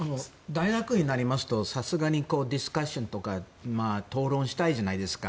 大学になりますとさすがにディスカッションとか討論したいじゃないですか。